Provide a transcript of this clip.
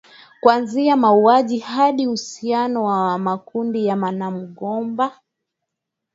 kuanzia mauaji hadi uhusiano na makundi ya wanamgambo